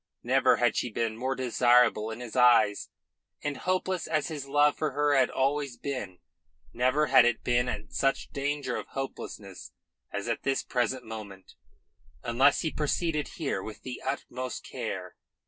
Never had she been more desirable in his eyes; and hopeless as his love for her had always seemed, never had it been in such danger of hopelessness as at this present moment, unless he proceeded here with the utmost care.